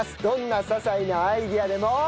どんな些細なアイデアでも。